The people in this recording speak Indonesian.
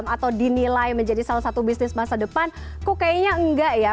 atau dinilai menjadi salah satu bisnis masa depan kok kayaknya enggak ya